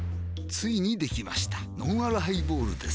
ついにできましたのんあるハイボールです